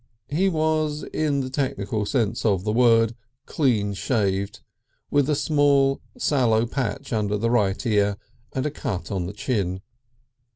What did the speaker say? He was, in the technical sense of the word, clean shaved, with a small sallow patch under the right ear and a cut on the chin.